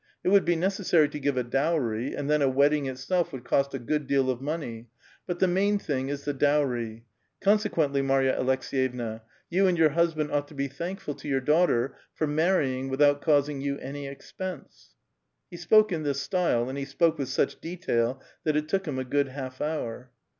It would be necessary to give a dowry, and then a wedding itsi'lf would cost a good deal of money ; but the main thing is the dowry ; con sequently, Marya Aleks^yevna, you and your husband ought to be thankful to your daughter for marrying without caus ing you any expense." He spoke in this style, and he spoke with such detail that it took him a good half hour.